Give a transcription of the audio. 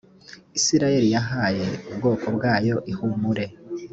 isirayeli yahaye ubwoko bwayo ihumure.